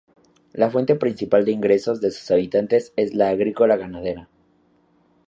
La fuente principal de ingresos de sus habitantes es la agrícola-ganadera.